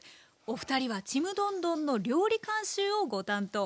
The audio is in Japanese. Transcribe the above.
お二人は「ちむどんどん」の料理監修をご担当。